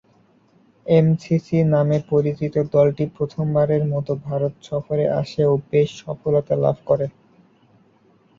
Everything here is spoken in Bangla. এমসিসি নামে পরিচিত দলটি প্রথমবারের মতো ভারত সফরে আসে ও বেশ সফলতা লাভ করে।